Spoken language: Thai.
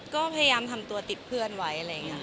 ก็พยายามถิดเพื่อนไว้